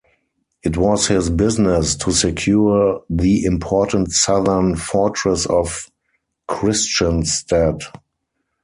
It was his business to secure the important southern fortress of Kristianstad.